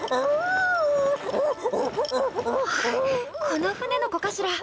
この船の子かしら？